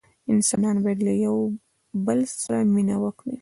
انسانان باید له یوه بل سره مینه وکړي.